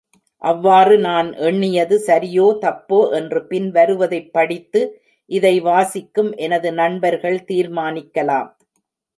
அவ்வாறு நான் எண்ணியது சரியோ தப்போ என்று பின் வருவதைப் படித்து இதை வாசிக்கும் எனது நண்பர்கள் தீர்மானிக்கலாம்.